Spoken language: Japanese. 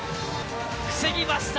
防ぎました。